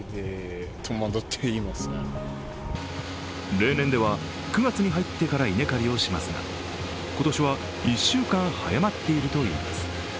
例年では９月に入ってから稲刈りをしますが今年は１週間早まっているといいます。